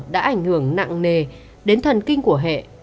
đã ảnh hưởng nặng nề đến thần kinh của hệ